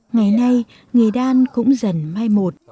ngày nay nghề đan cũng dần mai một